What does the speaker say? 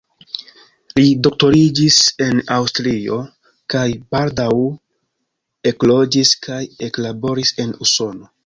Li doktoriĝis en Aŭstrio kaj baldaŭ ekloĝis kaj eklaboris en Usono.